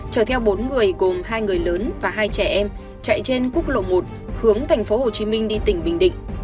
chở theo bốn người gồm hai người lớn và hai trẻ em chạy trên quốc lộ một hướng thành phố hồ chí minh đi tỉnh bình định